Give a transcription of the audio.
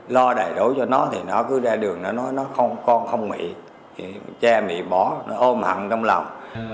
lo đại đối cho nó thì nó cứ ra đường nó nói con không mị che mị bỏ nó ôm hẳn trong lòng